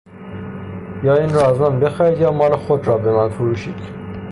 یا اینرا از من بخرید یا مال خودرا بمن فروشید